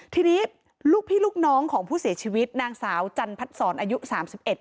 ทีนี้ลูกพี่ลูกน้องของผู้เสียชีวิตนางสาวจันพัดศรอายุสามสิบเอ็ด